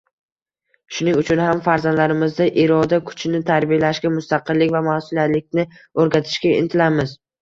Shuning uchun ham farzandlarimizda iroda kuchini tarbiyalashga, mustaqillik va masʼuliyatlilikni o‘rgatishga intilamiz.